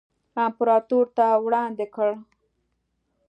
امپراتور ته وړاندې کړه.